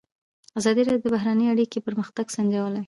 ازادي راډیو د بهرنۍ اړیکې پرمختګ سنجولی.